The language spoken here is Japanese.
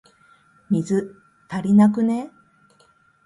水、足りなくね？